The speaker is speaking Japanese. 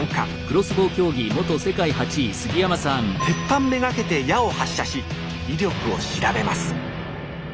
鉄板目がけて矢を発射し威力を調べます